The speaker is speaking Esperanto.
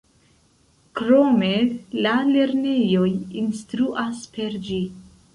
Krome, la lernejoj instruas per ĝi.